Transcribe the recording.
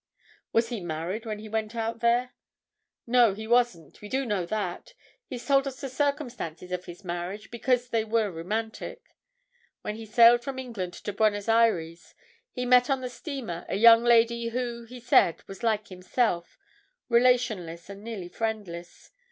"Was he married when he went out there?" "No, he wasn't. We do know that. He's told us the circumstances of his marriage, because they were romantic. When he sailed from England to Buenos Ayres, he met on the steamer a young lady who, he said, was like himself, relationless and nearly friendless.